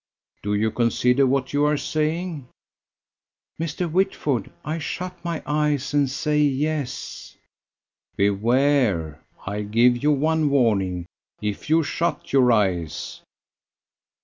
"Do you consider what you are saying?" "Mr. Whitford, I shut my eyes and say Yes." "Beware. I give you one warning. If you shut your eyes